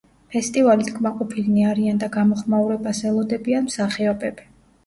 ფესტივალით კმაყოფილნი არიან და გამოხმაურებას ელოდებიან მსახიობები.